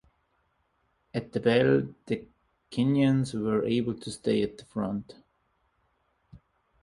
At the bell, the Kenyans were able to stay at the front.